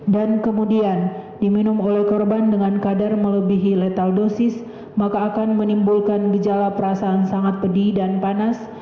dan kemudian diminum oleh korban dengan kadar melebihi letal dosis maka akan menimbulkan gejala perasaan sangat pedih dan panas